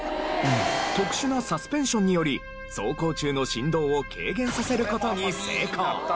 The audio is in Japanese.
特殊なサスペンションにより走行中の振動を軽減させる事に成功！